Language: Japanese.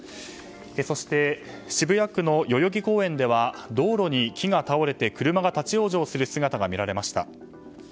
そして、渋谷区の代々木公園では道路に木が倒れて車が立ち往生する姿が見られました。